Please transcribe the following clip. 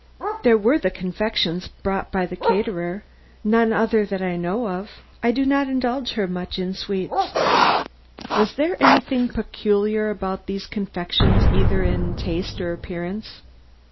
"There were the confections brought by the caterer; none other that I know of; I did not indulge her much in sweets." "Was there anything peculiar about these confections either in taste or appearance?"